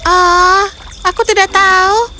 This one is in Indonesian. oh aku tidak tahu